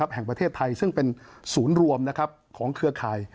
แห่งประเทศไทยซึ่งเป็นศูนย์รวมของเครือข่าย